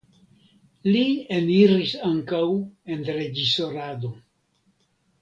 Li eniris ankaŭ en reĝisorado.